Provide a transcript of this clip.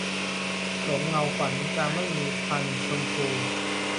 หลงเงาฝัน - จามรี พรรณชมพู